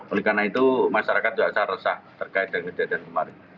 oleh karena itu masyarakat juga sangat resah terkait dengan kejadian kemarin